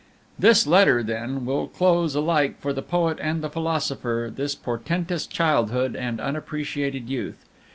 This letter, then, will close, alike for the poet and the philosopher, this portentous childhood and unappreciated youth.